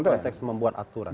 dalam konteks membuat aturan